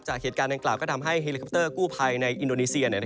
เหตุการณ์ดังกล่าก็ทำให้เฮลิคอปเตอร์กู้ภัยในอินโดนีเซีย